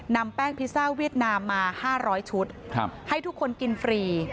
นำแป้งพิซซ่าเวียดนามมา๕๐๐ชุดให้ทุกคนกินฟรี